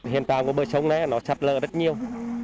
hiện tại bờ sông này nó sạt lỡ rất nhiều